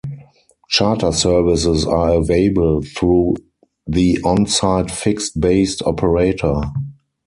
Charter services are available through the onsite fixed-based operator.